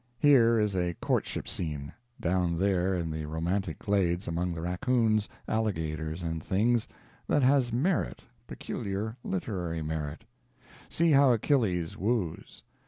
Here is a courtship scene, down there in the romantic glades among the raccoons, alligators, and things, that has merit, peculiar literary merit. See how Achilles woos.